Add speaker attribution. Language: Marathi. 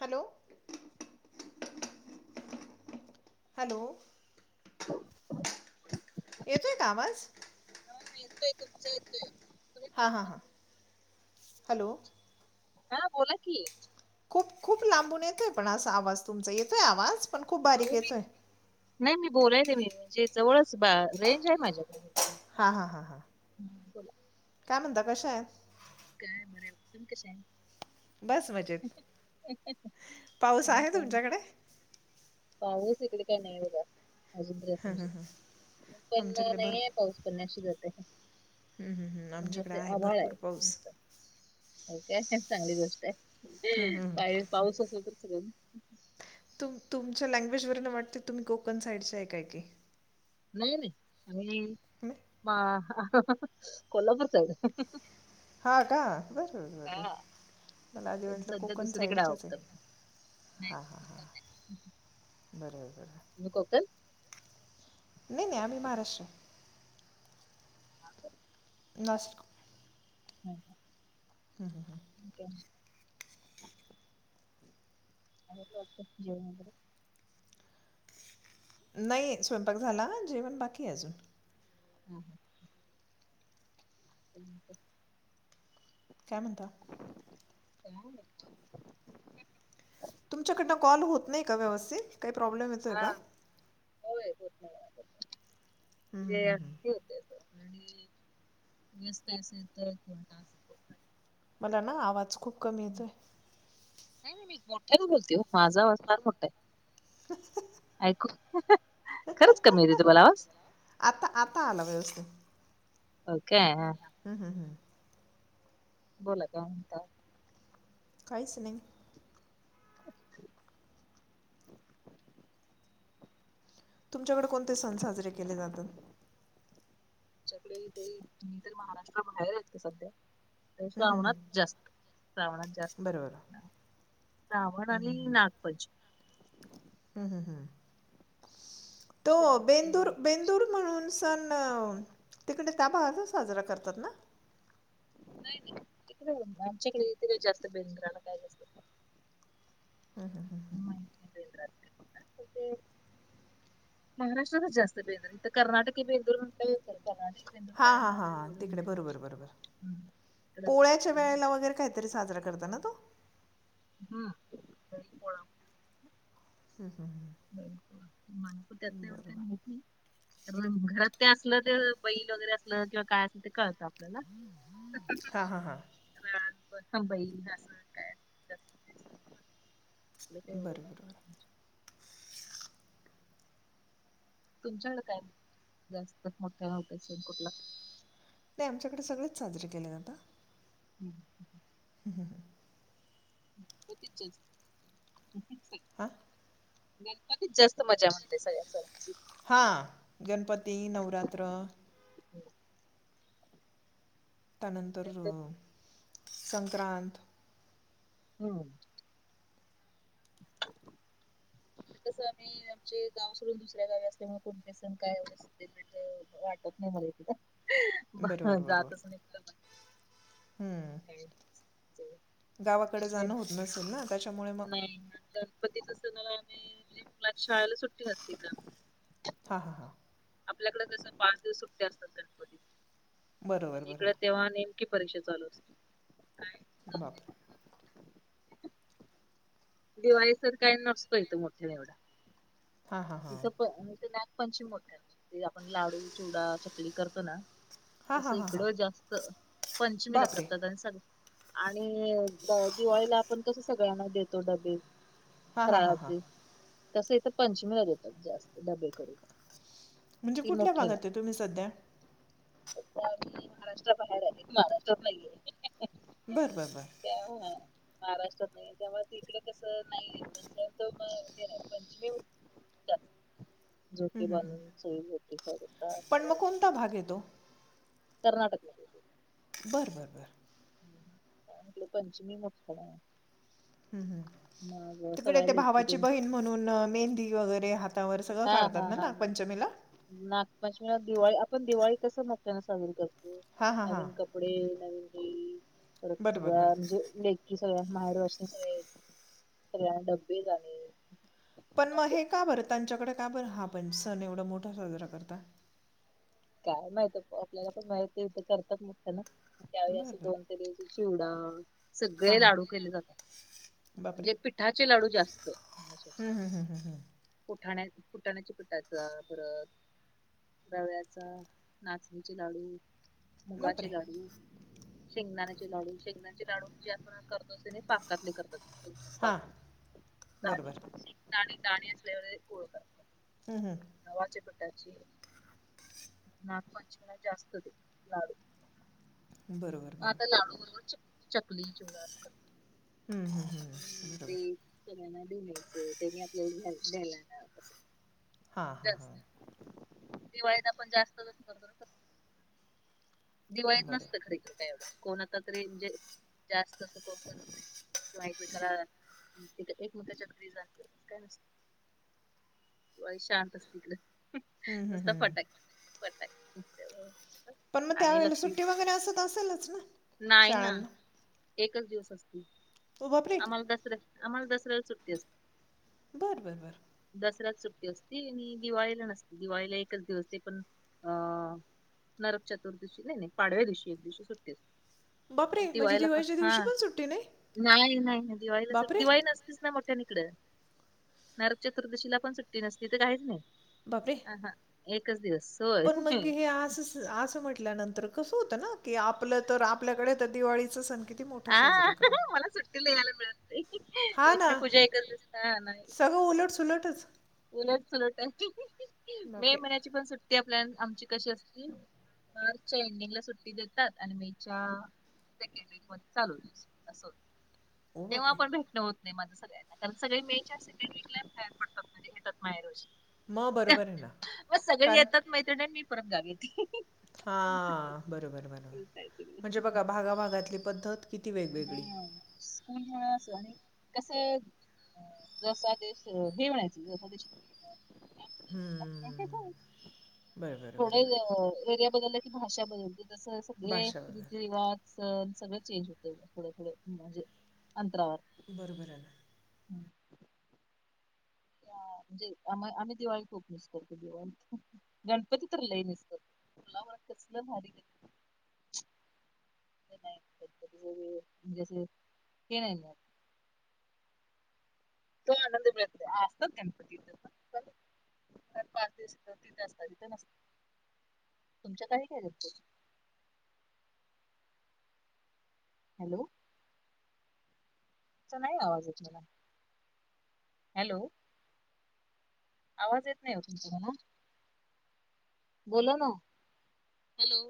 Speaker 1: हॅलो हॅलो येतोय का आवाज
Speaker 2: हा येतोय तुमचा येतोय तुम्ही
Speaker 1: हां
Speaker 2: बोला
Speaker 1: हां
Speaker 2: ना.
Speaker 1: हां हॅलो
Speaker 2: हा बोला की
Speaker 1: खूप खूप लांबून येतोय पण असा आवाज तुमचा येतोय आवाज पण खूप बारीक येतोय
Speaker 2: बोलाय ते मी म्हणजे जवळच रेंज आहे माझ्याकडे
Speaker 1: हा हा हा हा
Speaker 2: हम्म, बोला
Speaker 1: काय म्हणता कशा आहेत
Speaker 2: काय बरे कसे आहे
Speaker 1: बस मजेत पाऊस आहे तुमच्याकडे
Speaker 2: पाहूच इकडे काय नाही बघागा अजून बर अस म्हणजे पण
Speaker 1: आमच्याकडे भरपूर
Speaker 2: नाहीे पाऊस पडण्याची गत आहे
Speaker 1: हं, हं, हं.
Speaker 2: म्हणजे
Speaker 1: आमच्याकडे
Speaker 2: अस आभाळ
Speaker 1: भरपूर
Speaker 2: आहे
Speaker 1: पाऊस
Speaker 2: चांगली गोष्ट
Speaker 1: हं, हं, हं.
Speaker 2: पा पाऊस असेल तर सगळे
Speaker 1: तुमच्या लँग्वेज वर न वाटते तुम्ही कोकण साईडच्या आहे काय की
Speaker 2: नाही नाही आणि
Speaker 1: नाही?
Speaker 2: कोल्हापूरच आहे
Speaker 1: हा का बर बर मला आधी
Speaker 2: पण
Speaker 1: वाटलं
Speaker 2: सध्या
Speaker 1: कोकण
Speaker 2: दुसरीकडे
Speaker 1: साईडचच आहे
Speaker 2: आहोत आम्ही. नाही
Speaker 1: हा हा ह बरोबर
Speaker 2: तुही कोकण
Speaker 1: नाही नाही आम्ही महाराष्ट्र
Speaker 2: ह
Speaker 1: नाशिक
Speaker 2: हम् वाटत जेवण वगैरे
Speaker 1: नाही स्वयंपाक झाला जेवण बाकी अजून
Speaker 2: हम्म हम [unintelligible]
Speaker 1: काय म्हणता
Speaker 2: हो
Speaker 1: तुमच्याकडनं कॉल होत नाही का व्यवस्थित काही प्रॉब्लेम येतोय का
Speaker 2: हो आणि
Speaker 1: हं, हं, हं.
Speaker 2: व्यस्त असं येत किंवा
Speaker 1: मला ना आवाज खूप कमी
Speaker 2: हं.
Speaker 1: येतोय
Speaker 2: नाही नाही मी मोठ्या बोलते माझा आवाज फार मोठा आहे ऐकू खरंच कमी येत तुम्हाला आज
Speaker 1: आता आता आला
Speaker 2: ओके
Speaker 1: हम्म हम् हम्म
Speaker 2: बोला का म्हणता
Speaker 1: काहीच नाही तुमच्याकडे कोणते सण साजरे केले जातात
Speaker 2: च्याकडे ते तुम् तर महाराष्ट्रा बाहेर आहे सध्या
Speaker 1: हं, हं, हं.
Speaker 2: श्रावणात जास्त श्रावणात जास्त
Speaker 1: बरं बरं
Speaker 2: श्रावण आणि नागपंचमी
Speaker 1: हम्म हम् हम्म तो
Speaker 2: श्रावणात
Speaker 1: बेंदूर
Speaker 2: अ,
Speaker 1: बेंदूर म्हणून सण तिकडे त्या भागात साजरा करतात ना
Speaker 2: नाही नाही इडे आमच्याकडे इथे का जास्त बेंदूर काय जास्त
Speaker 1: हम् हम् हम् हम्
Speaker 2: माहित नाही [unintelligible] महाराष्ट्रातच जास्त बेंदूर इथं कर्नाटकी बेंदूर
Speaker 1: हां
Speaker 2: म्हण,
Speaker 1: हां हां हां तिकडे बरोबर बरोबर
Speaker 2: [unintelligible]
Speaker 1: पोळ्याच्या वेळेला वगैरे काहीतरी साजरा करत ना तो?
Speaker 2: [unintelligible] ब मानापू त्यातल्या एव
Speaker 1: बरोबर
Speaker 2: काही होत नाही. तर घरात ते असलं ते बैल वगैरे असलं किंवा काय असेल ते कळतात. ना
Speaker 1: हां हां हां
Speaker 2: ह
Speaker 1: बरं बरं बरं
Speaker 2: [unintelligible] [inaudible] तुमच्याकडे काय जास्तच मोठ्या सण कुठला?
Speaker 1: नाही आमच्याकडे सगळेच साजरे केले जातात.
Speaker 2: हम्म
Speaker 1: ह हम ह
Speaker 2: [unintelligible]
Speaker 1: आा
Speaker 2: गणपतीत जास्त मजा म्हटल सगळ्या सणांची.
Speaker 1: हा गणपती, नवरात्र. त्यानंतर
Speaker 2: इकडे तर
Speaker 1: संक्रांत.
Speaker 2: हम्म
Speaker 1: [unintelligible]
Speaker 2: आम्ही आमचे गाव सोडून दुसऱ्या गावी असल्यामुळे कोणतेण काय स वाटत नाही मला.
Speaker 1: बरोबर बरोबर
Speaker 2: जातच नाही.
Speaker 1: हं.
Speaker 2: [unintelligible]
Speaker 1: गावाकडे
Speaker 2: आणि
Speaker 1: जाणं
Speaker 2: गण-
Speaker 1: होत नसेल ना? त्याच्यामुळे मग
Speaker 2: नाही गणपती च्या सणाला म्हणजे मुलाना शाळेला सुट्टी असती ना.
Speaker 1: हा हा हा
Speaker 2: आपल्याकडे कसा पाच दिवस सुट्ट असतात गणपती
Speaker 1: बरोबर
Speaker 2: पण इकडे
Speaker 1: बरोबर
Speaker 2: तेव्हा, ने परीक्षा चालू असते. जात नाही.
Speaker 1: बापरे!
Speaker 2: दिवाळी तर काय नसतो यथे मोठा एवढा.
Speaker 1: हां हां हां
Speaker 2: इथं नागपंचमी मोठी असते आपण लाडू, चिवडा, चकली करतो ना.
Speaker 1: हां
Speaker 2: तस
Speaker 1: हां हां हां
Speaker 2: इकडं जास्त पंचमीला
Speaker 1: बापरे
Speaker 2: करतात आणि सगळ आणि दिवाळीला आपण कसं सगळ्यांना देतो डबे,
Speaker 1: हा हा हा हा
Speaker 2: तस इथ पंचमीला देतात जास्त डबल करून
Speaker 1: म्हणजे
Speaker 2: ती
Speaker 1: कुठल्या भागात आहे तुम्ही सध्या?
Speaker 2: मी महाराष्ट्रा बाहेर आली महाराष्ट्रात नाहीये.
Speaker 1: बरं बरं बरं
Speaker 2: त्या महाराष्ट्रात नाही त्याव तकडे कसं नाही हिकडं असा पंचमी [inaudible]
Speaker 1: हं,
Speaker 2: झोके
Speaker 1: हं, हं.
Speaker 2: बांधून
Speaker 1: पण मग
Speaker 2: [unintelligible]
Speaker 1: कोणता भाग येतो
Speaker 2: कर्नाटकमध्ये.
Speaker 1: बरं बर बर
Speaker 2: [unintelligible]
Speaker 1: ह्
Speaker 2: मग
Speaker 1: तिकडे
Speaker 2: सगळ्या
Speaker 1: ते
Speaker 2: लेकी
Speaker 1: भावाची
Speaker 2: तेन
Speaker 1: बहीण म्हणून मेहंदी वगैरे हातावर सगळं
Speaker 2: हा हा
Speaker 1: काढतात ना
Speaker 2: हा हा
Speaker 1: नागपंचमीला
Speaker 2: नागपचमी दिवाळी आपण दिवाळी कस मोठ्यानं साजरी करतो
Speaker 1: हां हां हां
Speaker 2: नवीन कपडे, नवीन हे परत
Speaker 1: बरं बरं
Speaker 2: सगळ्या
Speaker 1: बरं
Speaker 2: म्हणजे सगळ्यां माहेर वर्षच सगळ्यांना डब्बे झाले.
Speaker 1: पण मग हे का बरं त्यांच्याकडे काय बरं हा पण सण एवढा मोठा साजरा करता.
Speaker 2: काय माहित आपल्याला पण माहिती नाय करतात म्हणताना ना त्यावेळी
Speaker 1: बरं
Speaker 2: असं
Speaker 1: बरं
Speaker 2: दोन ते दिवस. सगळे
Speaker 1: हां हां
Speaker 2: लाडू केले जातात
Speaker 1: बापरे
Speaker 2: म्हणजे पिठाचे लाडू जास्त.
Speaker 1: हं, हं, हं, हं, हं.
Speaker 2: फुठाण्या पुठाण्याच्या पिटाचा परत. रव्याच नाचणीचे लाडू. मुगा
Speaker 1: बापरे
Speaker 2: चे लाडू. शेंगदाण्याचे लाडू. लाडू शेगदाण्याचे लाडू जे आपण करतो असते पाकातले करतात.
Speaker 1: हां
Speaker 2: पाक
Speaker 1: बरोबर.
Speaker 2: दाणे दाणे [unintelligible] [unintelligible]
Speaker 1: हम् हम्
Speaker 2: [unintelligible] नागपंचमी ला जास्त देतात लाडू.
Speaker 1: बरोबर
Speaker 2: आ
Speaker 1: बरोबर
Speaker 2: आता लाडू बरोबर च चकली चिवडा सकट.
Speaker 1: हं, हं, हं.
Speaker 2: ह
Speaker 1: बरोबर
Speaker 2: तेच ना. [unintelligible] त्यांनी आपल्या द्यायला येणार
Speaker 1: हा हा हा.
Speaker 2: जास्त दिवाळीत आपण जास्तचत करतो ना. दिवाळीत नसत
Speaker 1: बरोबर
Speaker 2: खर येकडे काय एवढं. कोणाता तरी म्हणजे जास्त अस कोनं करत नाही किवा एकमेकांना. एकमेकांच्या घरी कोण जात नाही इकडे. शांत असते तिकडे.
Speaker 1: हम्म. हम्. हम्.
Speaker 2: ता [unintelligible]
Speaker 1: पण मग त्यावेळेला सुट्टी वगैरे असत असेलच ना
Speaker 2: नाही ना
Speaker 1: शाळांना.
Speaker 2: एकच दिवस असते.
Speaker 1: ओ बापरे
Speaker 2: आम्हाला दसऱ्या आम्हाला दसऱ्याला सुट्टी असते.
Speaker 1: बरं.. बरं.. बरं..
Speaker 2: दसरा सुट्टी असती आणि दिवाळीला नसते. दिवाळीला एकच दिवस ते पण अ- नरक चतुर्दिशी नाही.. नाही.. पाडव्या दिवशी एक दिवशी सुट्टी असते.
Speaker 1: बापरे!
Speaker 2: ति
Speaker 1: म्हणजे
Speaker 2: व्हायला पण
Speaker 1: दिवाळीच्या
Speaker 2: हा
Speaker 1: दिवशी पण सुट्टी नाही?
Speaker 2: नाही नाही नाही दिवाळीलाच
Speaker 1: बापरे!
Speaker 2: दिवाळी नसतीच नाही मोठ्या नरक चतुर्दशीला पण सुट्टी नसती. तर काहीच नाही
Speaker 1: बापरे!
Speaker 2: ह. एकच दिवस. होय
Speaker 1: पण मग हे अस असं म्हटल्यानंतर. कसं होतं ना की आपलं तर आपल्याकडे तर दिवाळीच सण. किती मोठा
Speaker 2: हा
Speaker 1: साजरा करतो.
Speaker 2: मला सुट्टीला यायला मिळत नाही. लक्ष्मी पूजा एकच दिसत नाही.
Speaker 1: उलट सुलटच.
Speaker 2: उलट सुलट आहे मे
Speaker 1: बापरे!
Speaker 2: महिन्याची पण सुट्टी आपल्या. आमची कशी असती मार्चच्या एंडिंगला सुट्टी देतात आणि मेच्या. क वक म चालू
Speaker 1: ओ
Speaker 2: तेव्हा
Speaker 1: बापरे!
Speaker 2: आपण भेटण हो- माझं सगळ्यांना कारण सगळे मेच्या सेकंड वीकला तयार पडतातेटत मा रोज.
Speaker 1: मग बरोबर आहे ना.
Speaker 2: मग सगळे
Speaker 1: कारण
Speaker 2: येतात मैत्रिणी मी परत गावी येते.
Speaker 1: हां. बरोबर, बरोबर.
Speaker 2: काय
Speaker 1: म्हणजे बघा भागाभागातली पद्धत किती वेगवेगळी.
Speaker 2: हम्.. कस जसा देश.. हे म्हणायच जसा दिस-
Speaker 1: हं. बरोबर,
Speaker 2: थोडे
Speaker 1: बरोबर.
Speaker 2: एरिया बदल. भाषा बदलते तस सगळे
Speaker 1: भाषा वगैरे.
Speaker 2: रीती रिवाज सण सगळं चेंज होत. थोडे थोडे म्हणजे अंतरावर.
Speaker 1: बरोबर आहे ना.
Speaker 2: हम्म.
Speaker 1: ह
Speaker 2: त्या-
Speaker 1: [inaudible]
Speaker 2: म्हणजे आम्हा आम्ही दिवाळी खूप मिस करतो दिवाळीत. गणपती तर लईच मिस करतो. तुला मग कसलं भारी गं.
Speaker 1: ह [inaudible]
Speaker 2: म्हणज नाही. [inaudible] तो आनंद मिळतो आजतात गणपती पाच दिवसथ तिथे असतात तिथे नसत तुमचं काय काय असत
Speaker 1: ह
Speaker 2: हॅलो नाही आवाज य मला हॅलो आवाज येत नाही हो तुमचाकणा बोल ना हॅलो